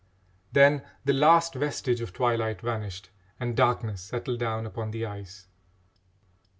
Then the last vestige of twilight vanished and darkness settled down upon the ice.